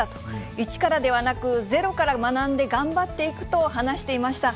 一からではなくゼロから学んで頑張っていくと話していました。